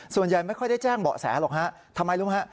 ส่วนใหญ่ไม่ค่อยได้แจ้งเบาะแสหร่งฮะ